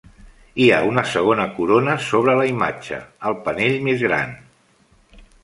Hi ha una segona corona sobre la imatge, al panell més gran.